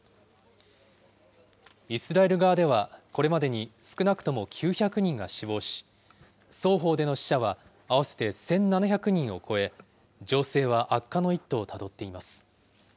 イスラエル側ではこれまでに少なくとも９００人が死亡し、双方での死者は合わせて１７００人を超え、情勢は悪化の一途をたどっています。